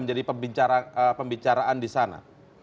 seberapa besar sebenarnya pembicaraan di sana